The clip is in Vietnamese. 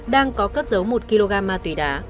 đang có cất dấu một kg ma tùy đá